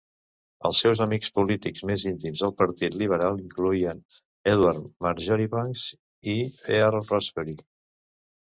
Els seus amics polítics més íntims al partit lliberal incloïen Edward Marjoribanks i Earl Rosebery.